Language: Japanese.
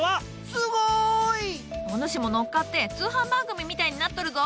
すごい！お主も乗っかって通販番組みたいになっとるぞ。